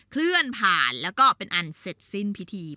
เคลื่อนผ่านแล้วก็เป็นอันเสร็จสิ้นพิธี